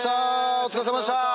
お疲れさまでした！